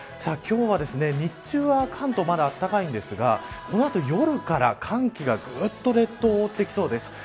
今日は日中は関東まだ、あったかいんですがこの後、夜から寒気がぐっと列島を覆ってきそうです。